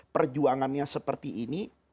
perjuangannya seperti ini